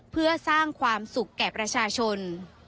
เพื่อสร้างความสุขแก่ประชาชน